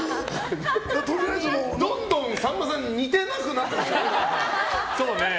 どんどん、さんまさんに似てなくなってますね。